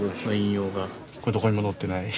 これどこにも載ってない。